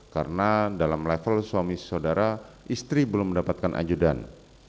karena dalam level suami saudara istri belum mendapatkan ajudan